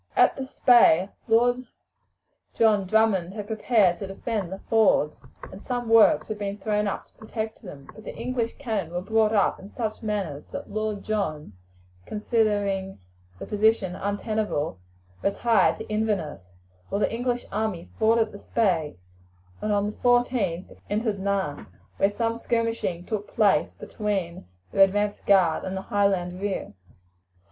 At the Spey, Lord John Drummond had prepared to defend the fords, and some works had been thrown up to protect them; but the English cannon were brought up in such numbers that Lord John, considering the position untenable, retired to Inverness, while the English army forded the Spey, and on the 14th entered Nairn, where some skirmishing took place between their advance guard and the Highland rear.